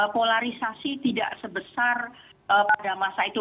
polarisasi tidak sebesar pada masa itu